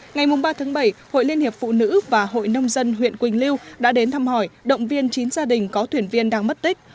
ngày ba bảy hội liên hiệp phụ nữ và hội nông dân huyện quỳnh lưu đã đến thăm hỏi động viên chín gia đình có thuyền viên đang mất tích